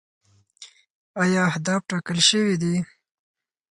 آیا اهداف ټاکل شوي دي؟